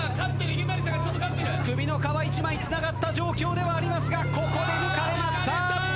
首の皮一枚つながった状況ではありますがここで抜かれました！